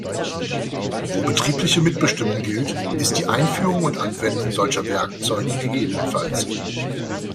Wo betriebliche Mitbestimmung gilt, ist die Einführung und Anwendung solcher Werkzeuge ggf.